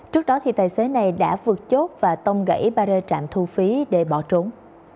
trước đó tài xế này đã vượt chốt và tông gãy ba rơ trạm thu phí để bỏ trốn